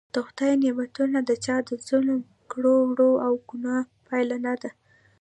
د خدای نعمتونه د چا د ظلم کړو وړو او ګناه پایله نده.